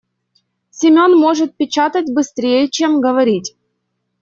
Семён может печатать быстрее, чем говорить.